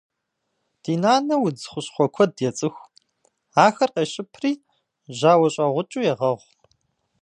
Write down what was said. Ди нанэ удз хущхъуэ куэд ецӏыху. Ахэр къещыпри жьауэщӏэгъукӏыу егъэгъу.